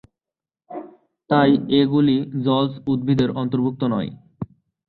তাই এগুলি জলজ উদ্ভিদের অন্তর্ভুক্ত নয়।